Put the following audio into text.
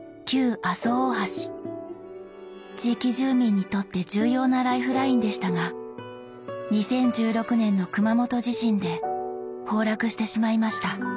地域住民にとって重要なライフラインでしたが２０１６年の熊本地震で崩落してしまいました。